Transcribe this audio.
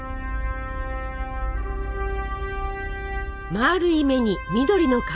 まるい目に緑の体。